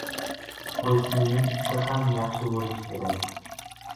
• Qo‘shnining iti ham yaxshi bo‘lishi kerak.